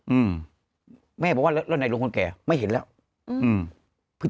อืมแม่บอกว่าแล้วแล้วไหนลุงคนแก่ไม่เห็นแล้วอืม